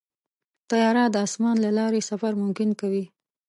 طیاره د اسمان له لارې سفر ممکن کوي.